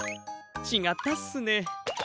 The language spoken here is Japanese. ちがったっすね。